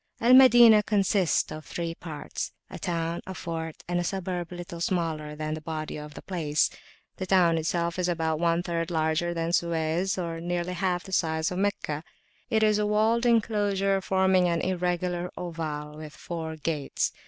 Al Madinah consists of three parts, a town, a fort, and a suburb little smaller than the body of the place. The town itself is about one third larger than Suez, or nearly half the size of Meccah. It is a walled enclosure forming an irregular oval with four gates.